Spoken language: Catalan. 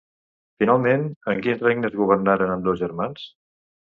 Finalment, en quins regnes governaren ambdós germans?